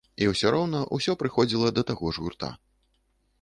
І ўсё роўна, ўсе прыходзіла да таго ж гурта.